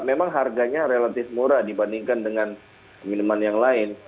memang harganya relatif murah dibandingkan dengan minuman yang lain